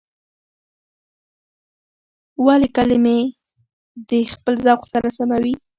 ولس کلمې د خپل ذوق سره سموي.